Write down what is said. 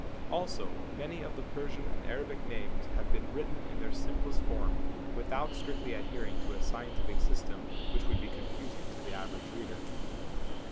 Also many of the Persian and Arabic names INTRODUCTION vii have been written in their simplest form without strictly adhering to a scientific system which would be confusing to the average reader.